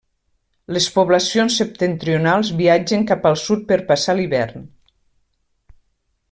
Les poblacions septentrionals viatgen cap al sud per passar l'hivern.